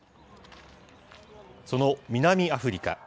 その南アフリカ。